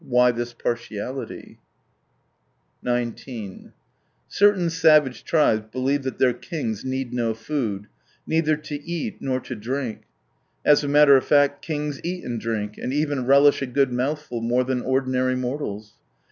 Why this partiality ? }9 Certain savage tribes believe that their kings need no food, neither to eat nor to drink. As a matter of fact, kings eat and drink, and even relish a good mouthful more than ordinary mortals.